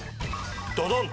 ドドン！